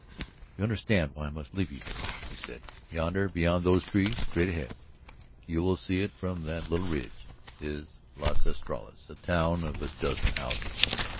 "You understand why I must leave you here," he said. "Yonder, beyond those trees straight ahead ... you will see it from that little ridge ... is Las Estrellas, a town of a dozen houses.